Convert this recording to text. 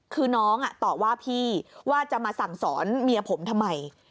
คือน้องตอบว่าพี่ว่าจะมาสั่งสอนเมียผมทำไม